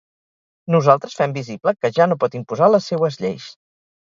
Nosaltres fem visible que ja no pot imposar les seues lleis.